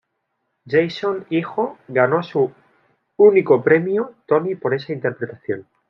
Jason hijo ganó su único premio Tony por esa interpretación.